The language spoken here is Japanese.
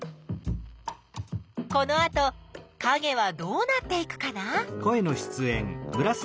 このあとかげはどうなっていくかな？